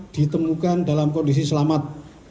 ditemukan dalam kondisi selamat